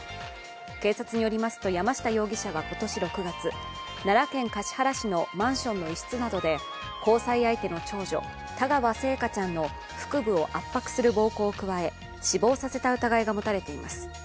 警察によりますと、山下容疑者は今年６月、奈良県橿原市のマンションの一室などで交際相手の長女、田川星華ちゃんの腹部を圧迫する暴行を加え、死亡させた疑いが持たれています。